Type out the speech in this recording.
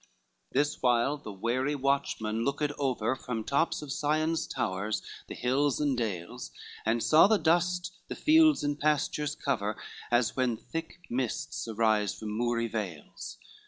IX This while the wary watchman looked over, From tops of Sion's towers, the hills and dales, And saw the dust the fields and pastures cover, As when thick mists arise from moory vales.